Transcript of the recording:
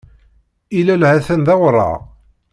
Ilel ha-t-an d awraɣ.